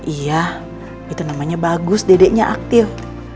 iya itu namanya bagus dedeknya aktif